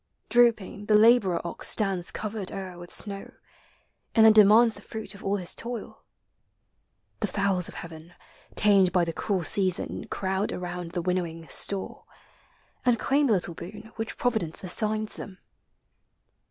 Drooping, the laborer ox Stands covered o'er with snow, and then demands The fruit of all his toil. The fowls of heaven, Tamed by the cruel season, crowd around The winnowing store, and claim Hie lit lie boon Which Providence assigns them.